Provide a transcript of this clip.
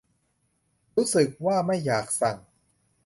รู้สึกว่าไม่อยากสั่ง